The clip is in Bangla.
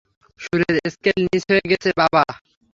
সুরের স্কেল নিচ হয়ে গেছে, বাবা।